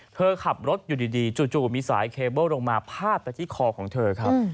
เธอขับรถอยู่ดีจู่มีสายเคเบิ้ลลงมาพาดไปที่คอของเธอครับ